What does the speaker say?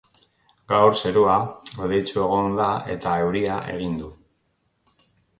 Gaur zerua hodeitsu egongo da eta euria egingo du.